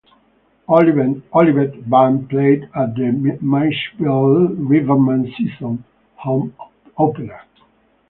Olivet band played at the Maysville Rivermen season home opener.